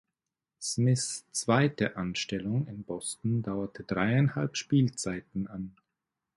Smiths zweite Anstellung in Boston dauerte dreieinhalb Spielzeiten an.